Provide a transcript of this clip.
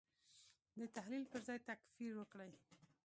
د تحلیل پر ځای تکفیر وکړي.